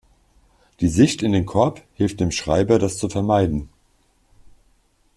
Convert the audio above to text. Die Sicht in den Korb hilft dem Schreiber das zu vermeiden.